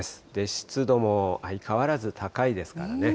湿度も相変わらず高いですからね。